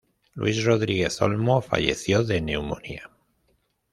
Luis Rodríguez Olmo falleció de neumonía.